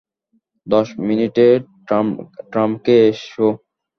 দশ মিনিটে টার্মেকে এসো।